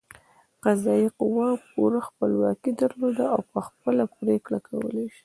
قضايي قوه پوره خپلواکي درلوده او په خپله پرېکړې کولې.